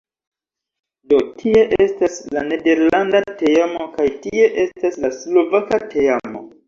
Do tie estas la nederlanda teamo kaj tie estas la slovaka teamo